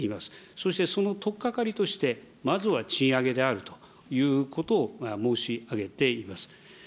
そしてそのとっかかりとして、まずは賃上げであるということを申し上げています。